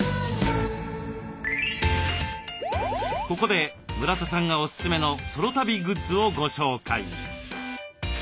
ここで村田さんがおすすめのソロ旅グッズをご紹介。